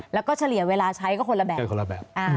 แล้วก็เฉลี่ยเวลาใช้ก็คนละแบบ